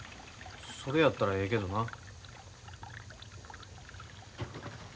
それやったらええけどな。